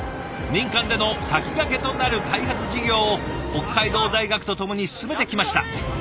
民間での先駆けとなる開発事業を北海道大学と共に進めてきました。